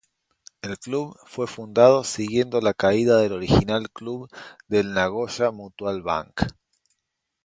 El club fue fundado siguiendo la caída del original club del Nagoya Mutual Bank.